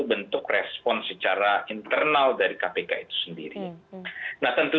nah tentu saja respon dari internal ini tidak lepas dari rekam jejak yang bersangkutan sebagai jeputi penindakan kpk pada waktu itu